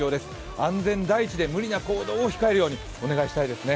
安全第一で無理な行動を控えるようにお願いしたいですね。